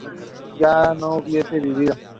yo no hubiera vivido